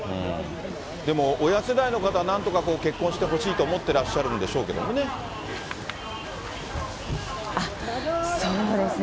でも親世代の方はなんとか結婚してほしいと思ってらっしゃるそうですね。